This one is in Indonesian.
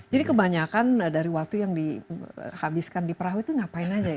jadi kebanyakan dari waktu yang dihabiskan di perahu itu ngapain saja